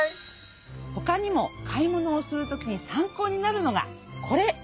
ほかにも買い物をするときに参考になるのがこれ。